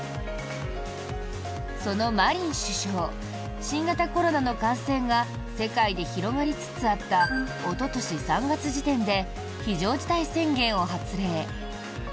そのマリン首相新型コロナの感染が世界で広がりつつあったおととし３月時点で非常事態宣言を発令。